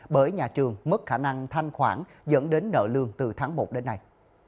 bởi nhà trường mất khả năng thanh khoản dẫn đến nợ lương từ tháng một đến nay